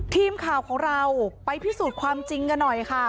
ทีมข่าวของเราไปพิสูจน์ความจริงกันหน่อยค่ะ